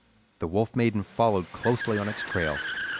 The Wolf Maiden followed closely on its trail.